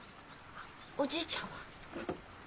おじいちゃんは？